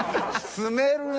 詰めるね。